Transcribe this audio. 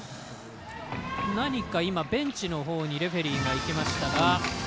何か今、ベンチのほうにレフェリーが行きましたが。